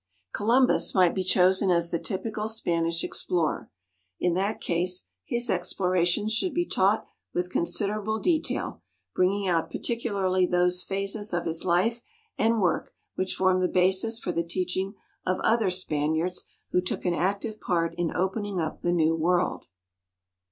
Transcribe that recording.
Columbus might be chosen as the typical Spanish explorer. In that case his explorations should be taught with considerable detail, bringing out particularly those phases of his life and work which form the basis for the teaching of other Spaniards who took an active part in opening up the New World.